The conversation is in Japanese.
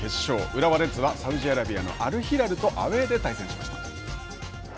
浦和レッズはサウジアラビアのアルヒラルとアウェーで対戦しました。